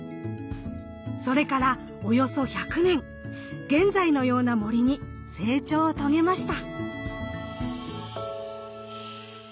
それからおよそ１００年現在のような森に成長を遂げました。